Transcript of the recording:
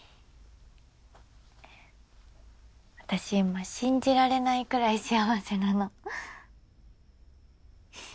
今信じられないくらい幸せなの。